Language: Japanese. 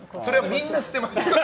みんな捨てます。